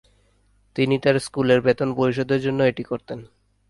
তিনি তার স্কুলের বেতন পরিশোধের জন্য এটি করতেন।